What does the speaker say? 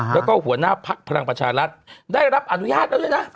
แล้วก็หัวหน้าภักดิ์พลังประชารัฐได้รับอนุญาตแล้วด้วยนะ